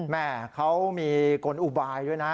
แม่เขามีกลอุบายด้วยนะ